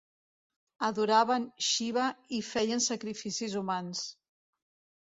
Adoraven Xiva i feien sacrificis humans.